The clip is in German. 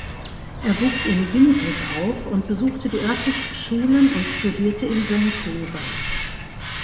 Er wuchs in Winnipeg auf und besuchte die örtlichen Schulen und studierte in Vancouver.